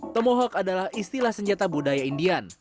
tomohok adalah istilah senjata budaya indian